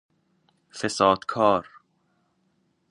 فساد کار